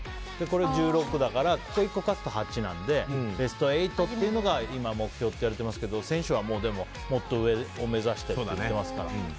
１６だから１勝つと８なのでベスト８っていうのが今、目標といわれてますけど選手は、もっと上を目指してますから。